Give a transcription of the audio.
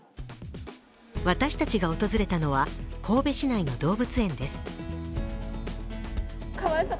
私たちが訪れたのは神戸市内の動物園です。